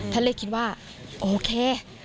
แพทย์เลยคิดว่าโอเค